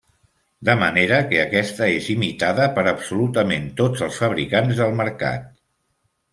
De manera que aquesta és imitada per absolutament tots els fabricants del mercat.